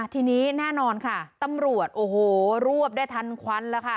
ทีนี้แน่นอนค่ะตำรวจโอ้โหรวบได้ทันควันแล้วค่ะ